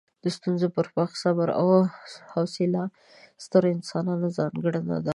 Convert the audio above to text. د ستونزو پر وخت صبر او حوصله د سترو انسانانو ځانګړنه ده.